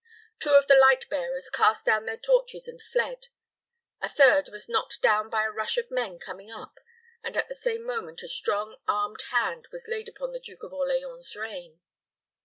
Two of the light bearers cast down their torches and fled; a third was knocked down by the rush of men coming up; and at the same moment a strong, armed hand was laid upon the Duke of Orleans's rein.